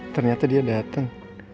ternyata dia datang